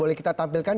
boleh kita tampilkan